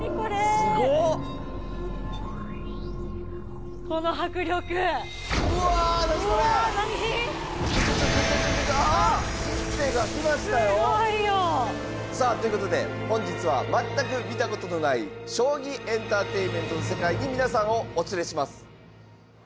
すごいよ！さあということで本日は全く見たことのない将棋エンターテインメントの世界に皆さんをお連れします。